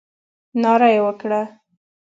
ناره یې وکړه.